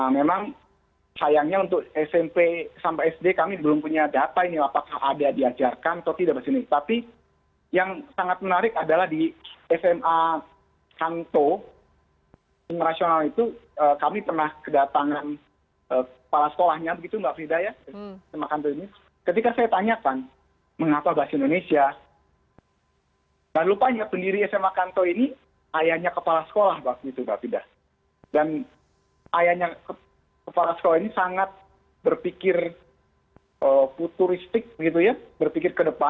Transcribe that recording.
meskipun sekolah tahunan lah yang mereka punya gitu ya